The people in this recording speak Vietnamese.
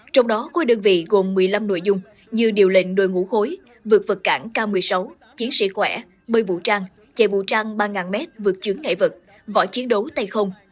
trong đó khối đơn vị gồm một mươi năm nội dung như điều lệnh đội ngũ khối vượt vật cản k một mươi sáu chiến sĩ khỏe bơi vũ trang chạy vũ trang ba m vượt chướng ngại vật võ chiến đấu tay không